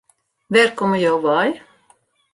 Wêr komme jo wei?